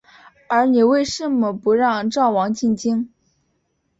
而你为甚么不让赵王进京？